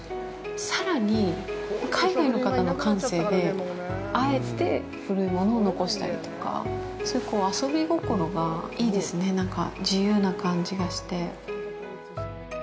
さらに、海外の方の感性で、あえて古いものを残したりとか、そういう遊び心がいいですね、なんか自由な感じがして。